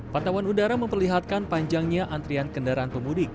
pantauan udara memperlihatkan panjangnya antrian kendaraan pemudik